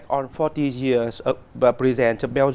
vì vậy chúng ta cũng